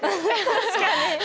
確かに！